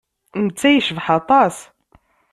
Netta yecbeḥ aṭas.